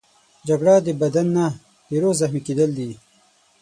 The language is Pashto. جګړه د بدن نه، د روح زخمي کېدل دي